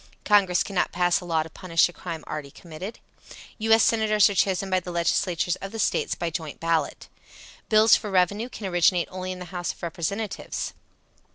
Congress cannot pass a law to punish a crime already committed. U. S. Senators are chosen by the legislatures of the States by joint ballot. Bills for revenue can originate only in the House of Representatives.